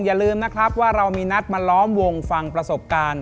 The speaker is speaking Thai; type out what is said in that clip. อย่าลืมนะครับว่าเรามีนัดมาล้อมวงฟังประสบการณ์